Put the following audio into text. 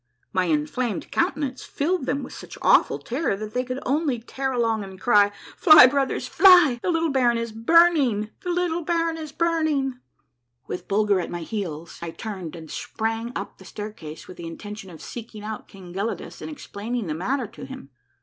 My inflamed counte nance filled them with such awful terror that they could only tear along and cry, —" Fly, brothers, fly ; the little baron is burning, the little baron is burning !" A MARVELLOUS UNDERGROUND JOURNEY 195 With Bulger at my heels, I turned and sprang up the stair case with the intention of seeking out King Gelidus, and ex plaining the matter to him.